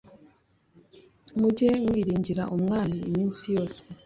Mujye mwiringira Umwami iminsi yose